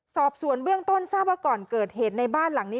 สอบสวนเบื้องต้นทราบว่าก่อนเกิดเหตุในบ้านหลังนี้